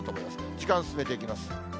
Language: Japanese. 時間進めていきます。